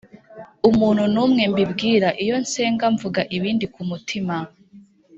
umuntu n umwe mbibwira Iyo nsenga mvuga ibindi ku mutima